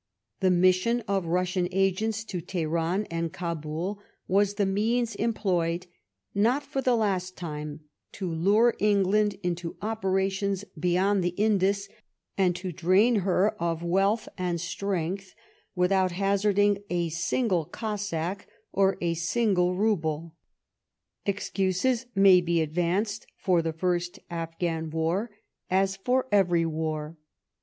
The mission of Russian agents to Teheran and Cabul was the means employed, not for the last time, to 'lure England into operations beyond the Indus, and to drain her of wealth and strength without hazarding a single Cossack or a single rouble. Excuses may be advanced for the first Afginan war, as for every war.